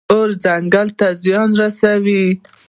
اور ځنګل ته زیان رسوي.